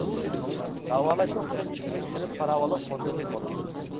داۋالاشنىڭ پۈتۈن چىقىمى كەنت پاراۋانلىق فوندىدىن بولىدۇ!